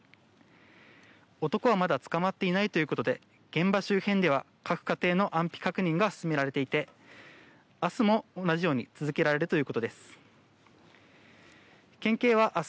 男はまだ捕まっていないということで現場周辺では各家庭の安否確認が進められていて明日も同じように続けられるということです。